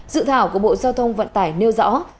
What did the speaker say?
dự thảo của bộ giao thông vận tải nêu rõ